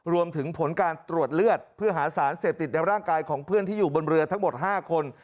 รวมถึงผลการตรวจเลือดเพื่อหาสารเสพติดในร่างกายของเพื่อนที่อยู่บนเรือทั้งหมด๕คน